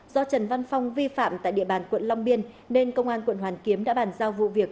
do trần văn phong vi phạm tại địa bàn quận long biên nên công an quận hoàn kiếm đã bàn giao vụ việc